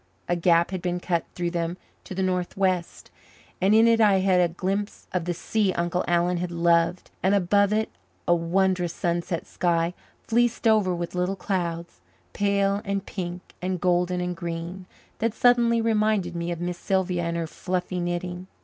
A gap had been cut through them to the northwest, and in it I had a glimpse of the sea Uncle Alan had loved, and above it a wondrous sunset sky fleeced over with little clouds, pale and pink and golden and green, that suddenly reminded me of Miss Sylvia and her fluffy knitting.